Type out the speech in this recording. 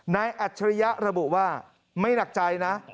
นายอัชริยระบุว่าไม่หนักใจนะ